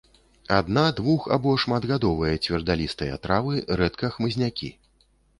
Адна-, двух- або шматгадовыя цвердалістыя травы, рэдка хмызнякі.